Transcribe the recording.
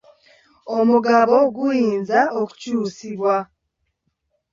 Omugabo guyinza okukyusibwa?